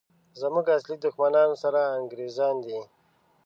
زموږ اصلي دښمنان سره انګریزان دي!